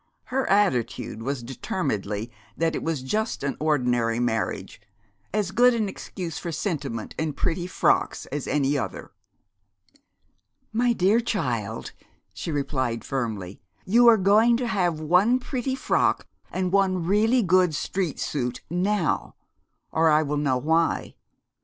Her attitude was determinedly that it was just an ordinary marriage, as good an excuse for sentiment and pretty frocks as any other. "My dear child," she replied firmly, "you are going to have one pretty frock and one really good street suit now, or I will know why!